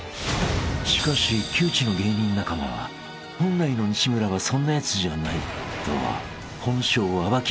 ［しかし旧知の芸人仲間は本来の西村はそんなやつじゃないと本性を暴きにきたのだ］